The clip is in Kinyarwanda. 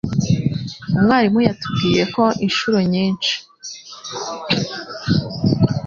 Umwarimu yatubwiye ko inshuro nyinshi.